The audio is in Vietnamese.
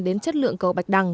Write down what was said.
đến chất lượng cầu bạch đằng